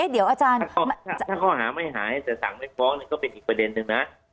ถ้าข้อหาไม่หายแต่สั่งไม่ฟ้องก็เป็นอีกประเด็นหนึ่งนะ